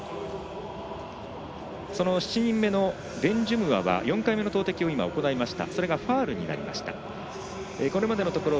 その７人目のベンジュムアが４回目の投てきを行いました。